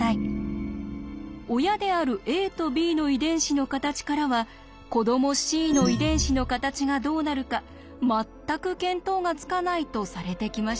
親であるａとｂの遺伝子の形からは子どもｃの遺伝子の形がどうなるか全く見当がつかないとされてきました。